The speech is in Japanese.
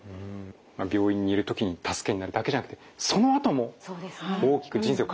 病院にいる時に助けになるだけじゃなくてそのあとも大きく人生を変えてくれるかもしれないということでね。